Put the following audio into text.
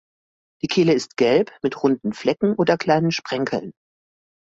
Die Kehle ist gelb mit runden Flecken oder kleinen Sprenkeln.